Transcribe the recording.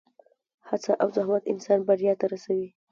هڅه او زحمت انسان بریا ته رسوي.